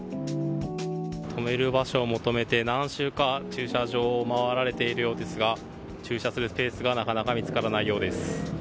止める場所を求めて何周か、駐車場を回られているようですが駐車するスペースがなかなか見つからないようです。